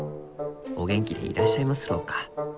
お元気でいらっしゃいますろうか？